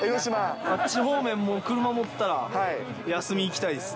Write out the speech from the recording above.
あっち方面、もう車持ったら、休み行きたいです。